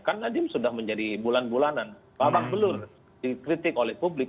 kan nadiem sudah menjadi bulan bulanan babak belur dikritik oleh publik